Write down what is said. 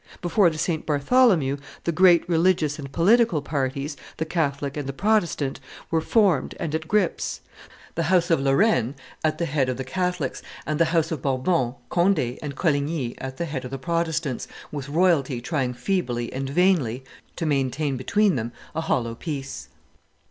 Before the St. Bartholomew, the great religious and political parties, the Catholic and the Protestant, were formed and at grips; the house of Lorraine at the head of the Catholics, and the house of Bourbon, Conde, and Coligny at the head of the Protestants, with royalty trying feebly and vainly to maintain between them a hollow peace.